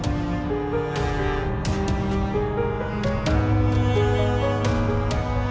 masih belum siberak